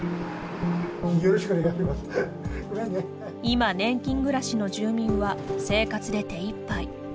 今、年金暮らしの住民は生活で手いっぱい。